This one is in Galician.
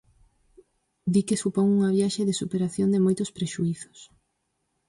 Di que supón unha viaxe de superación de moitos prexuízos.